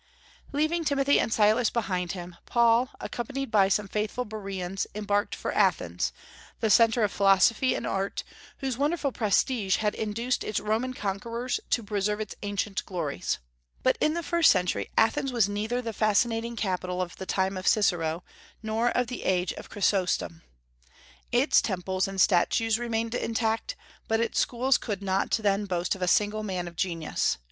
Leaving Timothy and Silas behind him, Paul, accompanied by some faithful Bereans, embarked for Athens, the centre of philosophy and art, whose wonderful prestige had induced its Roman conquerors to preserve its ancient glories. But in the first century Athens was neither the fascinating capital of the time of Cicero, nor of the age of Chrysostom. Its temples and statues remained intact, but its schools could not then boast of a single man of genius.